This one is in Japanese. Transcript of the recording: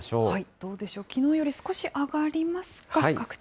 どうでしょう、きのうより少し上がりますか、各地。